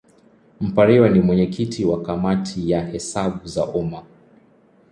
Mpariwa ni mwenyekiti wa Kamati ya Hesabu za Umma.